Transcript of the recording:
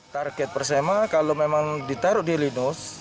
target persema kalau memang ditaruh di linus